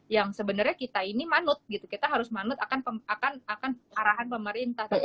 yang sebenernya kita ini manut gitu kita harus manut akan akan akan arahan pemerintah